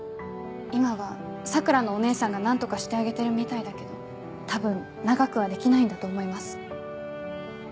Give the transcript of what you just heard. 今はさくらのお姉さんが何とかしてあげてるみたいだけど多分長くはできないんだと思います。